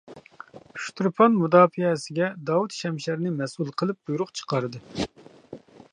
ئۇچتۇرپان مۇداپىئەسىگە داۋۇت شەمشەرنى مەسئۇل قىلىپ بۇيرۇق چىقاردى.